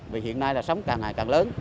vì hiện nay sóng càng ngày càng lớn